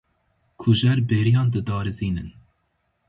Kujer bêriyan didarizînin.